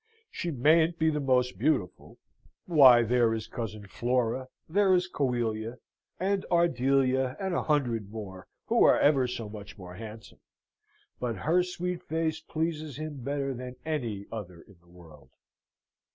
She mayn't be the most beautiful. Why, there is Cousin Flora, there is Coelia, and Ardelia, and a hundred more, who are ever so much more handsome: but her sweet face pleases him better than any other in the world.